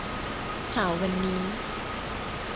ข่าววันนี้